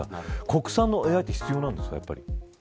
国産のＡＩって必要なんですか。